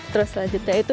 terus selanjutnya itu